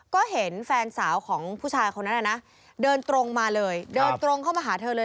ก็เห็นแฟนสาวของผู้ชายคนนั้นน่ะนะเดินตรงมาเลยเดินตรงเข้ามาหาเธอเลย